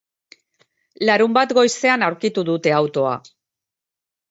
Larunbat goizean aurkitu dute autoa.